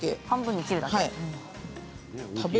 半分に切るだけ。